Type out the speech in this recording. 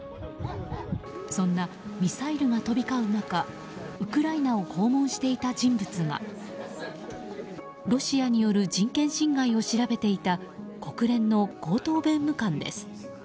そんなミサイルが飛び交う中ウクライナを訪問していた人物はロシアによる人権侵害を調べていた国連の高等弁務官です。